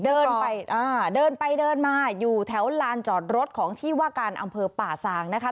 เดินไปอ่าเดินไปเดินมาอยู่แถวลานจอดรถของที่ว่าการอำเภอป่าซางนะคะ